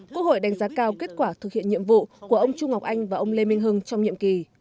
quốc hội đánh giá cao kết quả thực hiện nhiệm vụ của ông trung ngọc anh và ông lê minh hưng trong nhiệm kỳ